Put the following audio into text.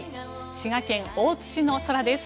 滋賀県大津市の空です。